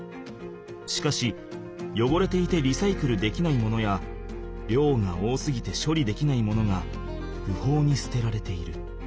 しかしよごれていてリサイクルできないものやりょうが多すぎてしょりできないものがふほうにすてられている。